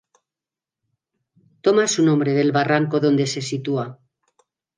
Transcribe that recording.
Toma su nombre del barranco donde se sitúa.